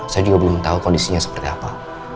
saya juga belum tahu kondisinya seperti apa